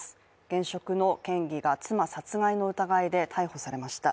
現職の県議が妻殺害の疑いで逮捕されました。